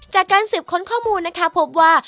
จากการสืบค้นข้อมูลนะคะพบว่า